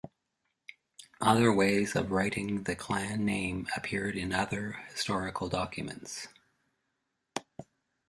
Other ways of writing the clan name appeared in other historical documents.